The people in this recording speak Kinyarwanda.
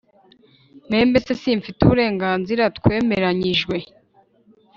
membese simfite uburenganzira twemeranyijwe